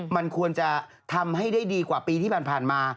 มันควรจะทำให้ได้ดีกว่าปีที่ผ่านมา